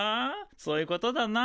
そういうことだなあ。